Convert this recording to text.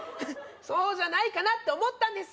そうじゃないかなって思ったんです